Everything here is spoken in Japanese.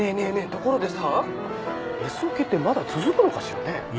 ところでさＳオケってまだ続くのかしらね？